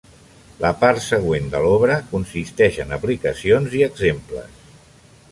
La part següent de l'obra consisteix en aplicacions i exemples.